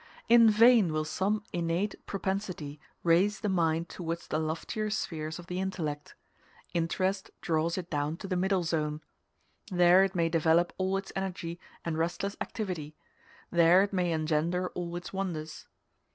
In vain will some innate propensity raise the mind towards the loftier spheres of the intellect; interest draws it down to the middle zone. There it may develop all its energy and restless activity, there it may engender all its wonders.